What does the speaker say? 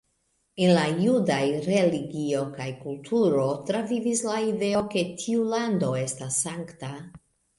En la judaj religio kaj kulturo travivis la ideo ke tiu lando estas sankta.